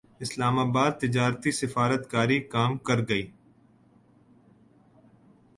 اسلام اباد تجارتی سفارت کاری کام کرگئی